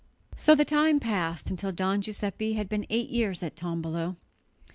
So the time passed, until Don Giuseppe had been eight years at Tombolo.